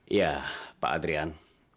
iya pak adrian